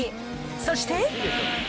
そして。